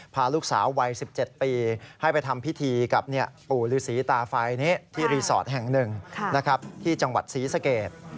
พาลูกสาววัย๑๗ปีให้ไปทำพิธีกับปู่ฤษีตาไฟที่รีสอร์ทแห่งหนึ่งที่จังหวัดศรีสเกต